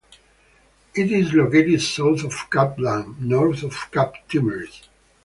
It is located south of Cap Blanc, north of Cap Timiris.